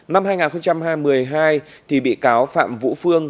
năm hai nghìn hai mươi hai bị cáo phạm vũ phương